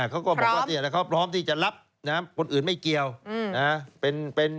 เขาก็บอกว่าเขาพร้อมที่จะรับคนอื่นไม่เกี่ยว